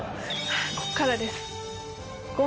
ここからです。